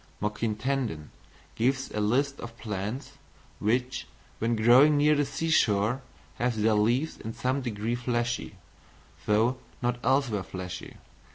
Moquin Tandon gives a list of plants which, when growing near the sea shore, have their leaves in some degree fleshy, though not elsewhere fleshy.